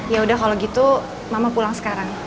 yaudah kalau gitu mama pulang sekarang